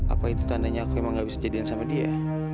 apa itu tandanya aku emang gak bisa jadian sama dia